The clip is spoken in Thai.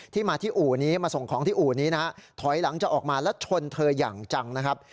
ที่มาที่อู่นี้มาส่งของที่อู่นี้นะฮะถอยหลังจะออกมาแล้วชนเธออย่างจังนะครับ